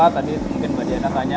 tadi mungkin mbak diana tanya